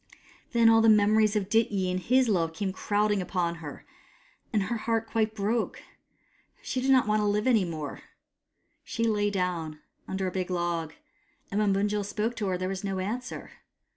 Then all the memories of Dityi and his love came crowding upon her, and her heart quite broke She HOW LIGHT CAME 113 did not want to live any more. She lay down under a big log, and when Bunjil spoke to her there was no answer.